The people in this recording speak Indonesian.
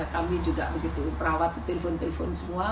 kami juga begitu perawat telpon telpon semua